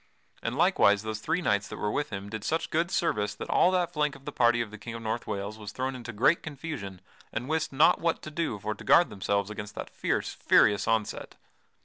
And likewise those three knights that were with him did such good service that all that flank of the party of the King of North Wales was thrown into great confusion and wist not what to do for to guard themselves against that fierce, furious onset.